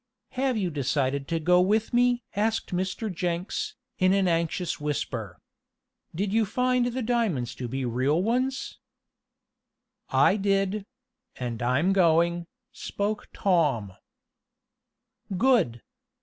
"Have you decided to go with me?" asked Mr. Jenks, in an anxious whisper. "Did you find the diamonds to be real ones?" "I did; and I'm going," spoke Tom. "Good!